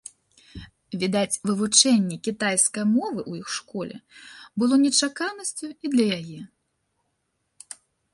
Відаць, вывучэнне кітайскай мовы ў іх школе было нечаканасцю і для яе.